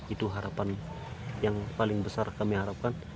itu harapan yang paling besar kami harapkan